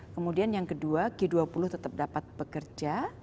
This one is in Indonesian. kemudian yang kedua g dua puluh tetap dapat bekerja